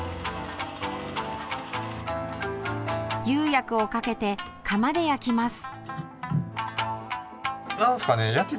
釉薬をかけて窯で焼きます。